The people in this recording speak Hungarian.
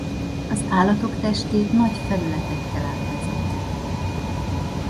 Az állatok testét nagy felületekkel ábrázolták.